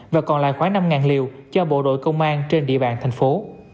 và còn lại khoảng năm liều cho bộ đội công an trên địa bàn thành phố